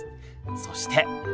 そして。